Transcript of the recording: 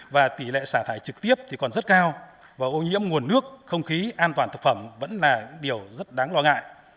và tỷ lệ xả thải trực tiếp thì còn rất cao và ô nhiễm nguồn nước không khí an toàn thực phẩm vẫn là điều rất đáng lo ngại